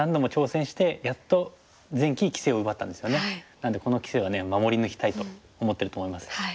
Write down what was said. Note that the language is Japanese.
なのでこの棋聖は守り抜きたいと思ってると思います。